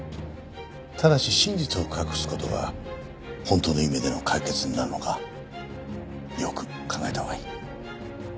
ただし真実を隠す事が本当の意味での解決になるのかよく考えたほうがいい。